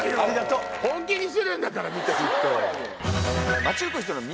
本気にするんだから見てる人。